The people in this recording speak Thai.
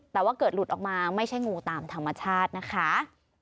แต่ว่าเกิดหลุดออกมาไม่ใช่งูตามธรรมชาตินะคะ